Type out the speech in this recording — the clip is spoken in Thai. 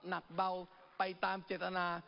หนักเบาไปตามเจตนา